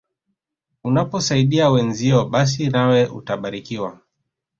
Unaposaidia wenzio basi nawe utabarikiwa.